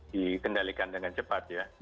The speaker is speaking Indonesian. dikendalikan dengan cepat ya